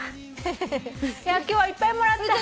今日はいっぱいもらった。